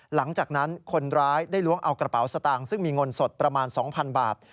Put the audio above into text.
หลังจากนั้นคนร้ายได้ล้วงเอากระเป๋าสตางค์ซึ่งมีเงินสดประมาณ๒๐๐๐บาท